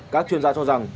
các chuyên gia cho rằng